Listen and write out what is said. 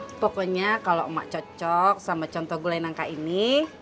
ya pokoknya kalau emak cocok sama contoh gulai nangka ini